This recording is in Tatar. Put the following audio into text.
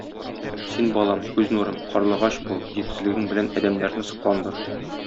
Син, балам, күз нурым, карлыгач бул, җитезлегең белән адәмнәрне сокландыр.